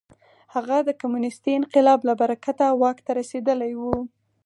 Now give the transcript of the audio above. هغه د کمونېستي انقلاب له برکته واک ته رسېدلی و.